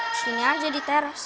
di sini aja di teres